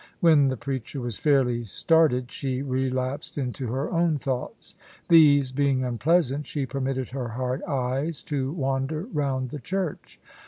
When the preacher was fairly started she relapsed into her own thoughts. These being unpleasant, she permitted her hard eyes to wander round the church.